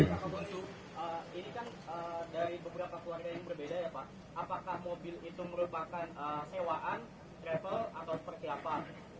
ini kan dari beberapa keluarga yang berbeda ya pak apakah mobil itu merupakan sewaan travel atau seperti apa